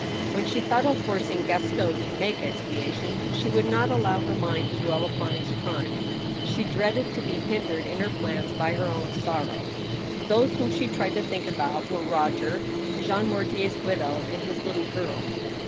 When she thought of forcing Gaston to make expiation, she ANOTHER COURT OF APPEAL, 229 would not allow her mind to dwell upon his crime ; she dreaded to be hindered in her plans by her own sorrow. Those whom she tried to think about were Roger, Jean Mortier's widow, and his little girl.